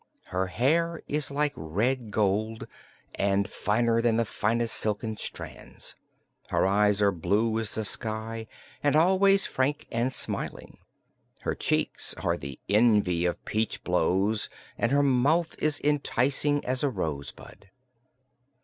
Her hair is like red gold and finer than the finest silken strands. Her eyes are blue as the sky and always frank and smiling. Her cheeks are the envy of peach blows and her mouth is enticing as a rosebud.